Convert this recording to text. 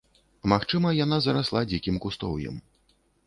Магчыма, яна зарасла дзікім кустоўем.